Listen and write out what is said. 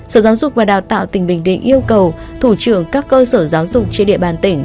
sở giáo dục và đào tạo tỉnh bình định yêu cầu thủ trưởng các cơ sở giáo dục trên địa bàn tỉnh